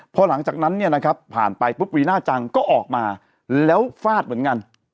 พอหลังจากนั้นเนี่ยนะครับผ่านไปปุ๊บวีน่าจังก็ออกมาแล้วฟาดเหมือนกัน